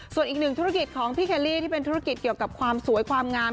ส่วนอีกหนึ่งธุรกิจของพี่เคลลี่ที่เป็นธุรกิจเกี่ยวกับความสวยความงาม